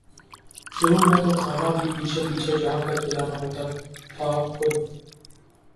شروع میں تو کھانا بھی پیچھے پیچھے جا کر کھلانا ہوتا تھا خود